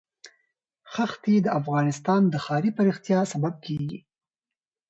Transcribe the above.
ښتې د افغانستان د ښاري پراختیا سبب کېږي.